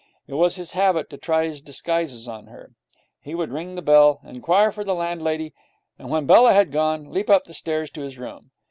It was his habit to try his disguises on her. He would ring the bell, inquire for the landlady, and when Bella had gone, leap up the stairs to his room.